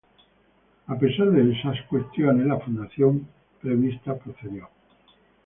A pesar de estas cuestiones, la fundación prevista procedió.